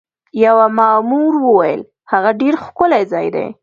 یوه مامور وویل: هغه ډېر ښکلی ځای دی.